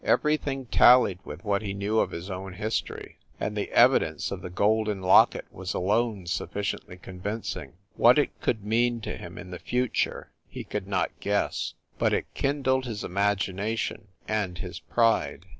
Everything tallied with what he knew of his own history and the evidence of the golden locket was alone sufficiently convincing. What it could mean to him, in the future, he could not guess; but it kindled his imagination and his pride.